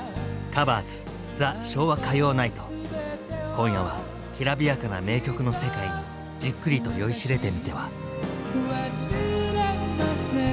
今夜はきらびやかな名曲の世界にじっくりと酔いしれてみては。